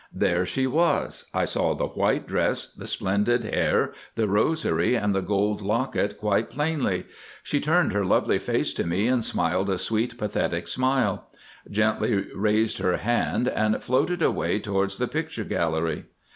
There she was, I saw the white dress, the splendid hair, the rosary, and the gold locket quite plainly. She turned her lovely face to me and smiled a sweet, pathetic smile; gently raised her hand, and floated away towards the picture gallery.